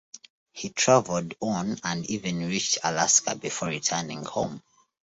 He travelled on and even reached Alaska before returning home.